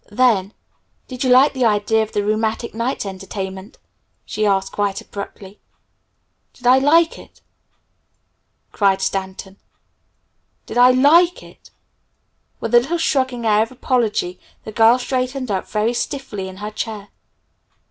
Then, "Did you like the idea of the 'Rheumatic Nights Entertainment'?" she asked quite abruptly. "Did I like it?" cried Stanton. "Did I like it?" With a little shrugging air of apology the girl straightened up very stiffly in her chair.